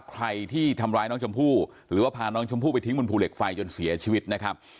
ใครที่ทำร้ายน้องชมพู่หรือว่าพาน้องชมพู่ไปทิ้งบนภูเหล็กไฟจนเสียชีวิตนะครับ